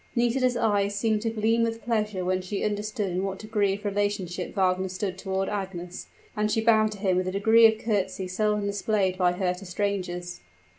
Nisida's eyes seemed to gleam with pleasure when she understood in what degree of relationship Wagner stood toward Agnes; and she bowed to him with a degree of courtesy seldom displayed by her to strangers.